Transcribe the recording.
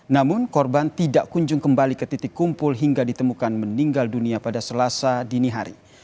namun korban tidak kunjung kembali ke titik kumpul hingga ditemukan meninggal dunia pada selasa dini hari